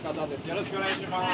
よろしくお願いします。